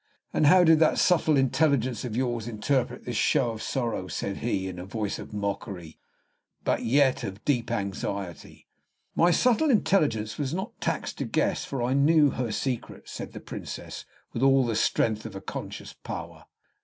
"And how did that subtle intelligence of yours interpret this show of sorrow?" said he, in a voice of mockery, but yet of deep anxiety. "My subtle intelligence was not taxed to guess, for I knew her secret," said the Princess, with all the strength of conscious power.